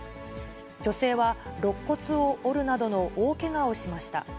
女性は、ろっ骨を折るなどの大けがをしました。